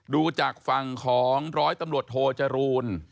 ดูจากฝั่งของร้อยตำรวจโทจรูล